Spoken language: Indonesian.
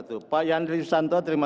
saya tidak tim